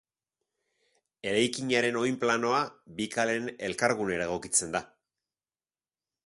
Eraikinaren oinplanoa bi kaleen elkargunera egokitzen da.